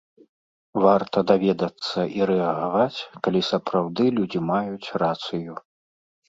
Варта даведацца і рэагаваць, калі сапраўды людзі маюць рацыю.